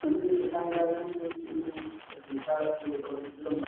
ایمان او مینه او جنسي میل تر ټولو پیاوړي احساسات دي